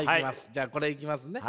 じゃあこれいきますね。